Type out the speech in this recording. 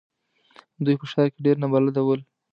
دوی په ښار کې ډېر نابلده ول.